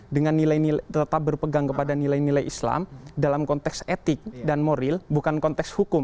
dengan nilai nilai tetap berpegang kepada nilai nilai islam dalam konteks etik dan moral bukan konteks hukum